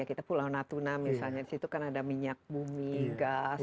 kita pulau natuna misalnya di situ kan ada minyak bumi gas